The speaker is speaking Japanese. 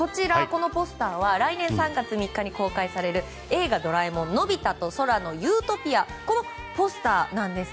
このポスターは来年３月３日に公開される「映画ドラえもんのび太と空の理想郷」のポスターなんです。